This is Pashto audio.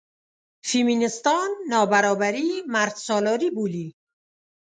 فیمینېستان نابرابري مردسالاري بولي.